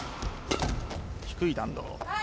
低い弾道。